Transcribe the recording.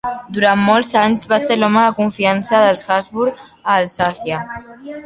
Durant molts anys, va ser l'home de confiança dels Habsburg a Alsàcia.